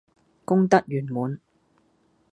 功德圓滿